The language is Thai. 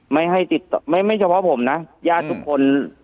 ไม่ให้ติดต่อไม่เฉพาะผมนะญาติทุกคน